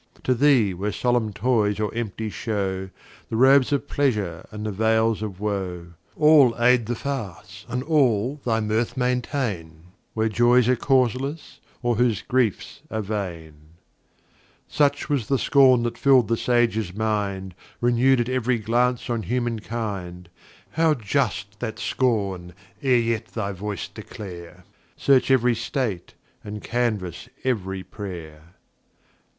To thee were solemn Toys or empty Shew, The Robes of Pleasure and the Veils of Woe: All aid the Farce, and all thy Mirth maintain, Whose Joys are causeless, or whose Griefs are vain. [Footnote d: Ver. 28 55.] Such was the Scorn that fill'd the Sage's Mind, Renew'd at ev'ry Glance on Humankind; How just that Scorn ere yet thy Voice declare, Search every State, and canvass ev'ry Pray'r.